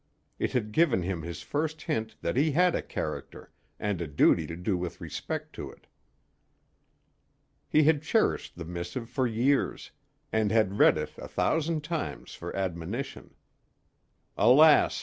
It had given him his first hint that he had a character, and a duty to do with respect to it. He had cherished the missive for years, and had read it a thousand times for admonition. Alas!